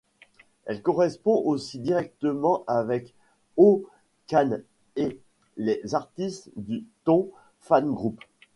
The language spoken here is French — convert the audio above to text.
Il correspond aussi directement avec Ho-Kan e les artistes du Ton Fan Group.